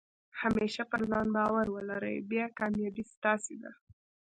همېشه پر ځان بارو ولرئ، بیا کامیابي ستاسي ده.